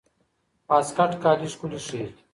واسکټ کالي ښکلي ښيي.